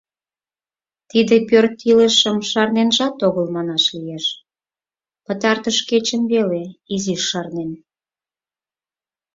Тиде пӧрт илышым шарненжат огыл манаш лиеш: пытартыш кечым веле изиш шарнен.